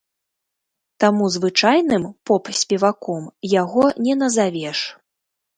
Таму звычайным поп-спеваком яго не назавеш.